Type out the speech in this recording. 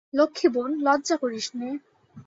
লক্ষ্মী বোন, লজ্জা করিস নে।